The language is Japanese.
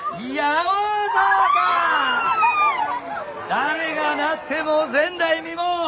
誰がなっても前代未聞。